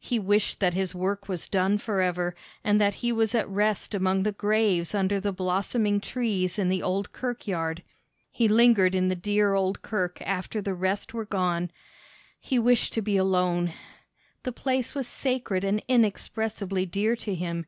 He wished that his work was done forever, and that he was at rest among the graves under the blossoming trees in the old kirkyard. He lingered in the dear old kirk after the rest were gone. He wished to be alone. The place was sacred and inexpressibly dear to him.